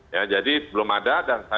ya jadi belum ada